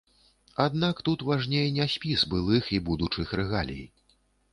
Аднак тут важней не спіс былых і будучых рэгалій.